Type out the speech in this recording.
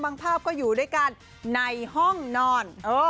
ภาพก็อยู่ด้วยกันในห้องนอน